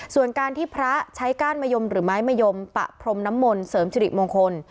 ส่วนการที่พระใช้ก้านมะยมหรือไม้มะยมปะพรมน้ำมนต์เสริมสิริมงคล